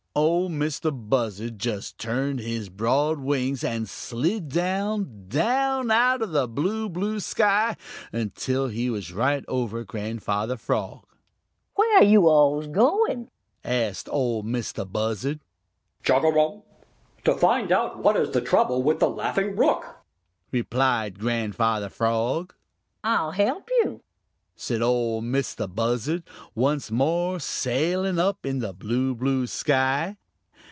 Ol' Mistah Buzzard just turned his broad wings and slid down, down out of the blue, blue sky until he was right over Grandfather Frog. "Where are yo'alls going?" asked Ol' Mistah Buzzard. "Chugarum! To find out what is the trouble with the Laughing Brook," replied Grandfather Frog. "I'll help you," said Ol' Mistah Buzzard, once more sailing up in the blue, blue sky.